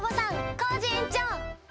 コージえんちょう！